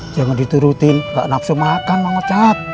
jangan diturutin enggak nafsu makan mau ngocat